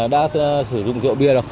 đã sử dụng rượu bia